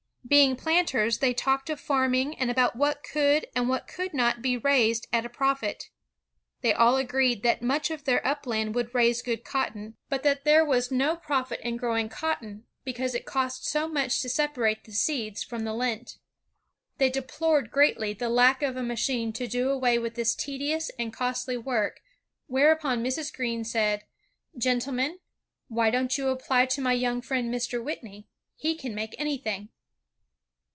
Being planters, they talked of farming and about what could and what could not be raised at a profit. They all agreed that much of tbeu: upland would raise good cotton, but that there was I WHITNEY REPAIRINC THE CHnDREX's TOYS 112 INVENTIONS OF MANUFACTURE AND PRODUCTION no profit in growing cotton, because it cost so much to separate the seeds from the lint. They deplored greatly the lack of a machine to do away with this tedious and costly work, whereupon Mrs. Greene said, " Grentlemen, why don't you apply to my young friend Mr. Whitney; he can make anything.''